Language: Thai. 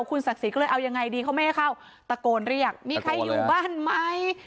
คุณศักดิ์ศรีก็เลยเอายังไงดีเขาไม่ให้เข้าตะโกนเรียกมีใครอยู่บ้านไหม